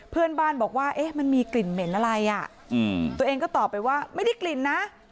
เพื่อนบ้านบอกว่ามันมีกลิ่นเหม็นอะไรอ่ะตัวเองก็ตอบไปว่าไม่ได้กลิ่นนะ